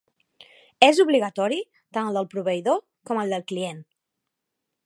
És obligatori tant el del proveïdor com el del client.